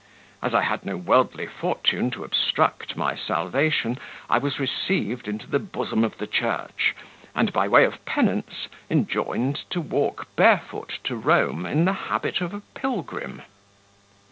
As I had no worldly fortune to obstruct my salvation, I was received into the bosom of the church, and, by way of penance, enjoined to walk barefoot to Rome in the habit of a pilgrim.